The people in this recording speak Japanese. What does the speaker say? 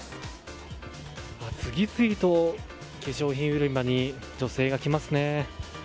次々と、化粧品売り場に女性が来ますね。